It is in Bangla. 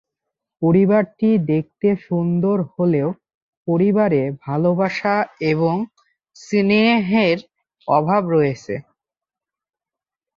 পরিবারটি দেখতে সুন্দর হলেও, পরিবারে ভালবাসা এবং স্নেহের অভাব রয়েছে।